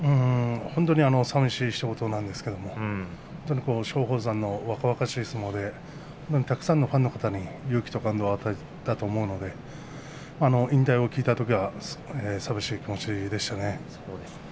本当にさみしいんですけれど松鳳山の若々しい相撲でたくさんの皆さんに勇気と感動を与えたと思うので引退を聞いたときは寂しい気持ちでいっぱいでしたね。